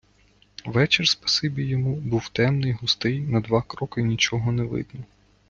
Вечір, спасибі йому, був темний, густий, на два кроки нічого не видно.